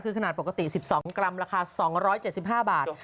คือขนาดปกติ๑๒กรัมราคา๒๗๕บาท